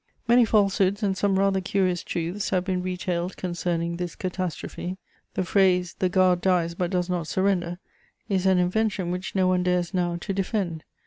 Many falsehoods and some rather curious truths have been retailed concerning this catastrophe. The phrase, "The Guard dies but does not surrender," is an invention which no one dares now to defend.